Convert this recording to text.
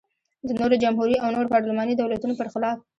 د نورو جمهوري او نورو پارلماني دولتونو پرخلاف.